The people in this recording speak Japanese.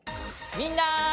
みんな！